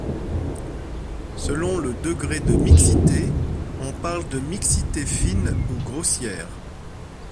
Selon le degré de mixité, on parle de mixité fine ou grossière.